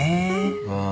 ああ。